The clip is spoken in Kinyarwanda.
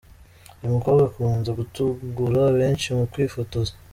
Uyu mukobwa akunze gutungura benshi mu kwifotoza.